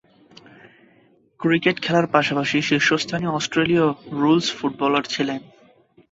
Cricket খেলার পাশাপাশি শীর্ষস্থানীয় অস্ট্রেলীয় রুলস ফুটবলার ছিলেন।